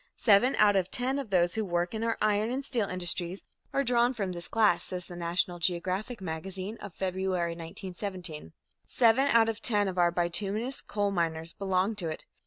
"Seven out of ten of those who work in our iron and steel industries are drawn from this class," says the National Geographic Magazine (February, 1917), "seven out of ten of our bituminous coal miners belong to it.